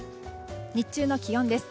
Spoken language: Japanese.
日中の気温です。